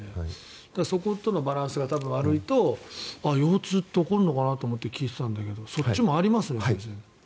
そことのバランスが多分悪いと腰痛って起こるのかなと思って聞いてたんだけどそっちもありますね。